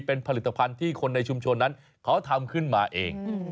เป็นผลิตภัณฑ์ที่คนในชุมชนนั้นเขาทำขึ้นมาเอง